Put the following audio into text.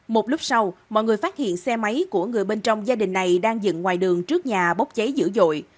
một lúc sau mọi người phát hiện xe máy của người bên trong gia đình này đang dựng ngoài đường trước nhà bốc cháy dữ dội